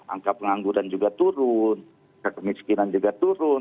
angka pengangguran juga turun kemiskinan juga turun